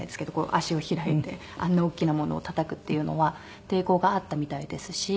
足を開いてあんな大きなものをたたくっていうのは抵抗があったみたいですし。